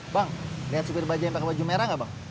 bang liat supir baja yang pake baju merah gak bang